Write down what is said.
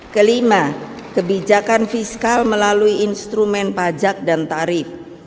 kelima kebijakan fiskal melalui instrumen pajak dan tarif